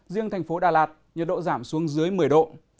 riêng thành phố đà lạt nhiệt độ giảm xuống dưới một mươi độ